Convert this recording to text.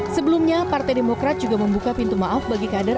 sebelumnya partai demokrat juga membuka pintu maaf bagi kader